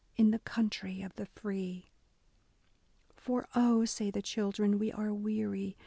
In the country of the free. For oh," say the children, we are weary.